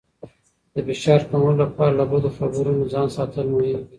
د فشار کمولو لپاره له بدو خبرونو ځان ساتل مهم دي.